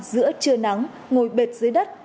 giữa trưa nắng ngồi bệt dưới đất